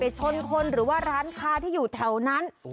ไปชนคนหรือล้านฆาต์ที่อยู่แถวนั้น